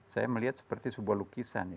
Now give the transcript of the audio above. saya melihat seperti sebuah lukisan ya